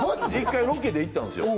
１回ロケで行ったんすよ